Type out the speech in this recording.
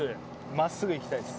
真っすぐいきたいです。